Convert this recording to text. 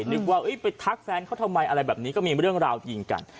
นึกว่าไปทักแฟนเขาทำไมอะไรแบบนี้ก็มีเรื่องราวยิงกัน